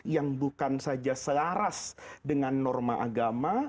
yang bukan saja selaras dengan norma agama